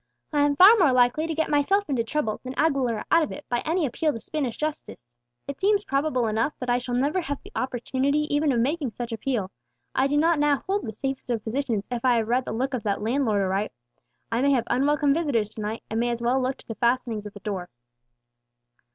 I am far more likely to get myself into trouble, than Aguilera out of it, by any appeal to Spanish justice. It seems probable enough that I shall never have the opportunity even of making such appeal; I do not now hold the safest of positions, if I have read the look of that landlord aright. I may have unwelcome visitors to night, and may as well look to the fastenings of the door."